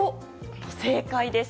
正解です。